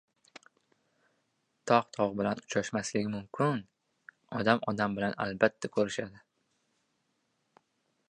• Tog‘ tog‘ bilan uchrashmasligi mumkin, odam odam bilan albatta ko‘rishadi.